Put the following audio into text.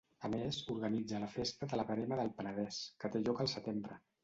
A més, organitza la Festa de la Verema del Penedès, que té lloc el setembre.